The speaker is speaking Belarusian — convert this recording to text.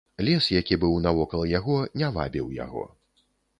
Лес, які быў навокал яго, не вабіў яго.